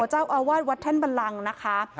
เจ้าอาวาสวัดแท่นบันลังนะคะ